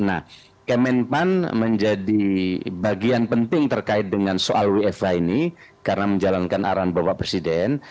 nah kemenpan menjadi bagian penting terkait dengan soal wfh ini karena menjalankan arahan bapak presiden